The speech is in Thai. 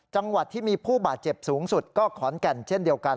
จังหวัดที่มีผู้บาดเจ็บสูงสุดก็ขอนแก่นเช่นเดียวกัน